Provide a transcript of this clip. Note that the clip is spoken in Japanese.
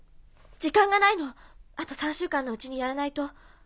時間がないのあと３週間のうちにやらないと。